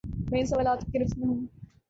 میں ان سوالات کی گرفت میں ہوں۔